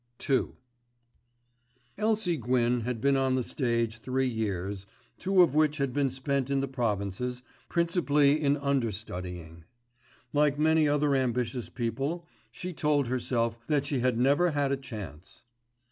*II* Elsie Gwyn had been on the stage three years, two of which had been spent in the provinces, principally in understudying. Like many other ambitious people, she told herself that she had never had a chance.